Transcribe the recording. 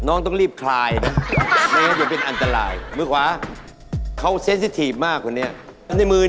๔๒โอเคคร้าเพราะที่เหลือ